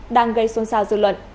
đang gây xôn xao dư luận